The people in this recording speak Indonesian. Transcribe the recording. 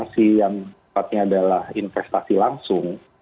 investasi yang tepatnya adalah investasi langsung